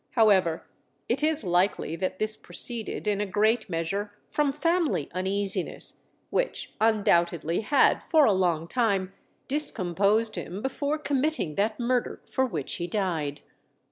However, it is likely that this proceeded in a great measure from family uneasiness, which undoubtedly had for a long time discomposed him before committing that murder for which he died.